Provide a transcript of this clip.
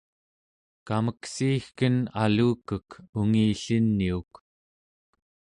kameksiigken alukek ungilliniuk